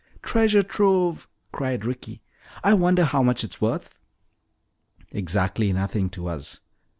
"Treasure trove!" cried Ricky. "I wonder how much it's worth?" "Exactly nothing to us."